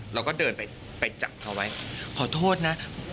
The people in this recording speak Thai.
เราก็เดินไปจับเขาไว้ขอโทษนะ